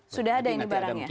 sudah ada ini barangnya